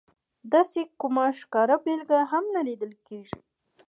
داسې کومه ښکاره بېلګه هم نه لیدل کېږي.